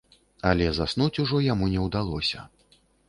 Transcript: Але заснуць ужо яму не ўдалося.